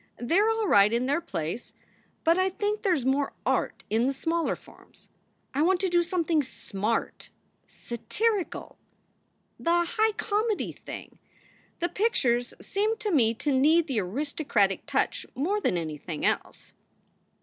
They re all right in their place, but I think there s more art in the smaller forms. I want to do something smart, satirical, the high comedy thing. The pictures seem to me to need the aristocratic touch more than anything else."